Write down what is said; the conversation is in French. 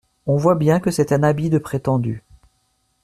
On voit bien que c’est un habit de prétendu…